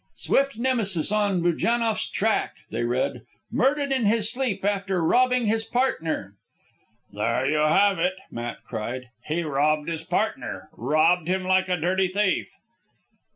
"SWIFT NEMESIS ON BUJANNOFF'S TRACK," they read. "MURDERED IN HIS SLEEP AFTER ROBBING HIS PARTNER." "There you have it!" Matt cried. "He robbed his partner robbed him like a dirty thief."